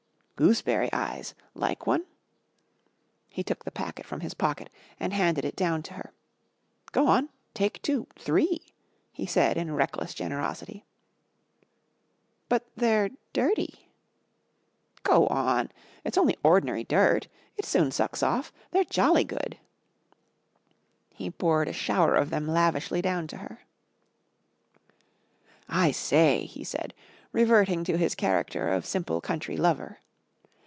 "Gooseberry Eyes. Like one?" He took the packet from his pocket and handed it down to her. "Go on. Take two three," he said in reckless generosity. "But they're dirty." "Go on. It's only ord'nery dirt. It soon sucks off. They're jolly good." He poured a shower of them lavishly down to her. "I say," he said, reverting to his character of simple country lover.